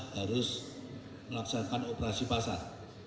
harus melaksanakan operasi pasar